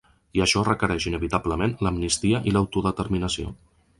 I això requereix inevitablement l’amnistia i l’autodeterminació.